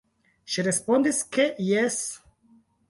Ŝi respondis, ke jes".